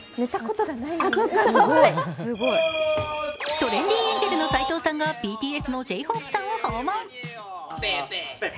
トレンディエンジェルの斎藤さんがＢＴＳのＪ−ＨＯＰＥさんを訪問。